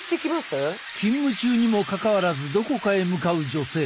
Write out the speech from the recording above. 勤務中にもかかわらずどこかへ向かう女性。